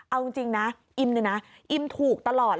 เอาจริงนะอิมเนี่ยนะอิมถูกตลอด